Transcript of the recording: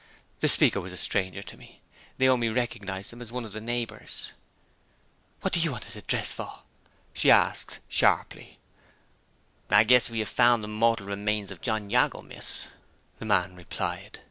The speaker was a stranger to me. Naomi recognized him as one of the neighbors. "What do you want his address for?" she asked, sharply. "I guess we've found the mortal remains of John Jago, miss," the man replied.